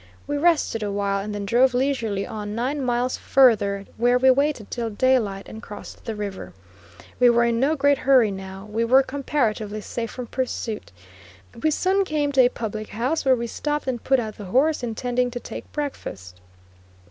We rested awhile, and then drove leisurely on nine miles further, where we waited till daylight and crossed the river. We were in no great hurry now; we were comparatively safe from pursuit. We soon came to a public house, where we stopped and put out the horse, intending to take breakfast.